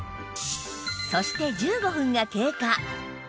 そして１５分が経過